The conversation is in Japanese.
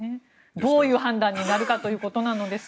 どういう判断になるのかということですが。